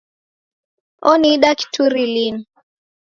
Oniida kituri linu.